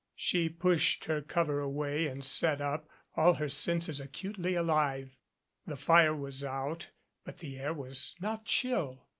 She pushed her cover away and sat up, all her senses acutely alive. The fire was out, but the air was not chill.